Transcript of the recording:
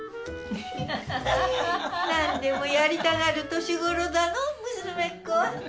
何でもやりたがる年頃だの娘っ子は。